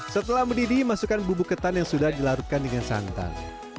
setelah mendidih masukkan bubuk ketan yang sudah dilarutkan dengan santan